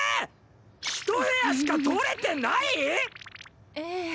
ひと部屋しか取れてない⁉ええ。